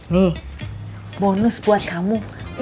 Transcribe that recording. nih bonus buat kamu